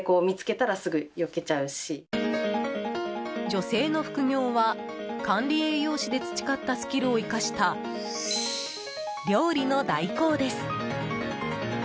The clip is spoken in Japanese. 女性の副業は管理栄養士で培ったスキルを生かした料理の代行です。